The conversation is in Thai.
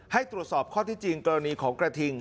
ให้ตรวจสอบข้อที่จริงกรณีของกระทิง